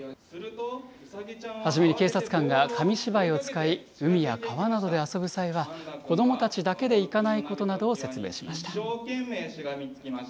初めに警察官が紙芝居を使い、海や川などで遊ぶ際は、子どもたちだけで行かないことなどを説明しました。